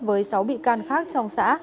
với sáu bị can khác trong xã